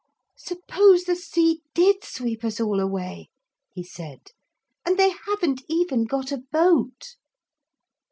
'Suppose the sea did sweep us all away,' he said; 'and they haven't even got a boat.'